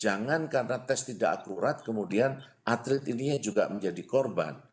jangan karena tes tidak akurat kemudian atlet ini yang juga menjadi korban